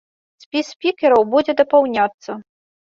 Спіс спікераў будзе дапаўняцца.